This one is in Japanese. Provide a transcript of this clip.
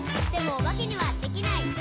「でもおばけにはできない。」